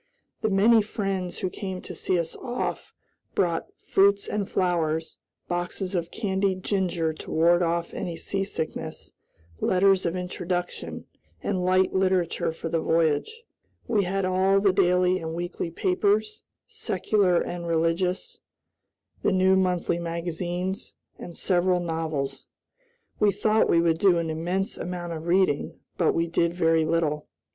The many friends who came to see us off brought fruits and flowers, boxes of candied ginger to ward off seasickness, letters of introduction, and light literature for the voyage. We had all the daily and weekly papers, secular and religious, the new monthly magazines, and several novels. We thought we would do an immense amount of reading, but we did very little.